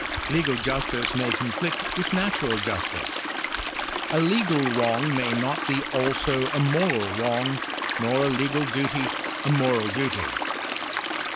Legal justice may conflict with natural justice ; a legal wrong may not be also a moral wrong, nor a legal duty a moral duty.